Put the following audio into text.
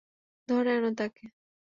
ধরে আনো তাকে।